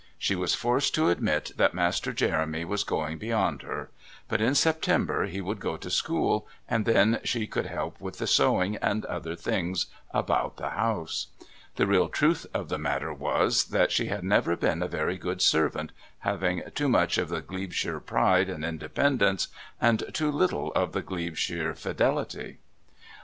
She was forced to admit that Master Jeremy was going beyond her; but in September he would go to school, and then she could help with the sewing and other things about the house. The real truth of the matter was that she had never been a very good servant, having too much of the Glebeshire pride and independence and too little of the Glebeshire fidelity.